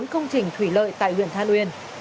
bốn công trình thủy lợi tại huyện than uyên